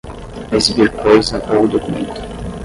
exibir coisa ou documento